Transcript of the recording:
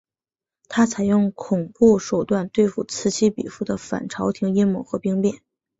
他采用恐怖手段对付此起彼伏的反朝廷阴谋和兵变。